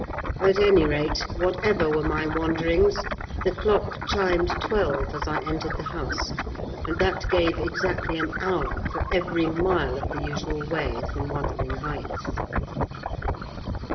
At any rate, whatever were my wanderings, the clock chimed twelve as I entered the house; and that gave exactly an hour for every mile of the usual way from Wuthering Heights.